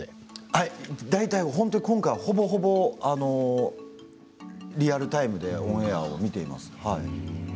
今回は、ほぼほぼリアルタイムでオンエアを見ています。